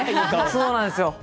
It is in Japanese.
そうなんですよ。